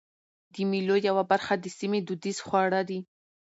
د مېلو یوه برخه د سیمي دودیز خواړه دي.